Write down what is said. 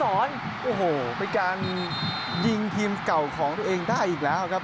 โอ้โหเป็นการยิงทีมเก่าของตัวเองได้อีกแล้วครับ